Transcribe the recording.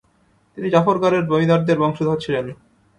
তিনি জাফরগড়ের জমিদারদের বংশধর ছিলেন।